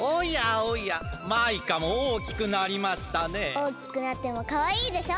おおきくなってもかわいいでしょ？